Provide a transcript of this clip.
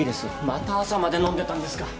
また朝まで飲んでたんですか？